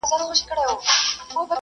هره اوږده ویډیو د تېروتنې امکان زیاتوي.